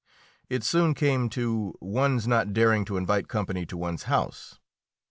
It soon came to one's not daring to invite company to one's house.